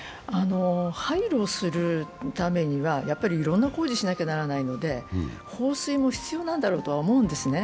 廃炉するためにはいろんな工事しなきゃらないなので放水も必要なんだろうと思うんですね。